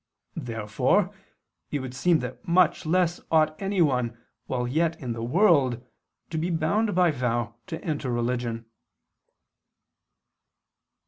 Therefore it would seem that much less ought anyone while yet in the world to be bound by vow to enter religion.